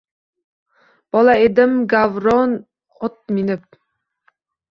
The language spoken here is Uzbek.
Bola edim, gavron ot minib